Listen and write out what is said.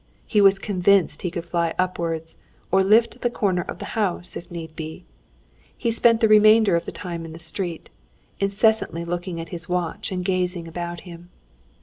He was convinced he could fly upwards or lift the corner of the house, if need be. He spent the remainder of the time in the street, incessantly looking at his watch and gazing about him.